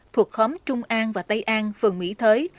thuộc khóm trung an và tây an phường mỹ thới